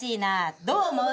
どう思う？